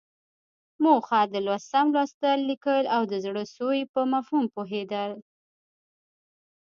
موخه: د لوست سم لوستل، ليکل او د زړه سوي په مفهوم پوهېدل.